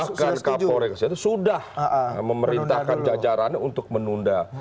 bahkan kapolri kejaksaan sudah memerintahkan jajarannya untuk menunda